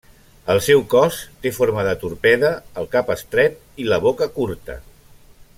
El seu cos té forma de torpede, el cap estret i la boca curta.